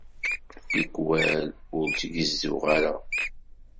Tikkal, ur t-gezzuɣ ara.